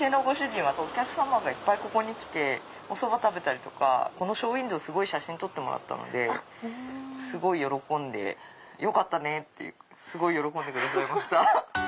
お客様がいっぱいここに来ておそば食べたりとかこのショーウインドー写真撮ってもらったのでよかったね！ってすごい喜んでくださいました。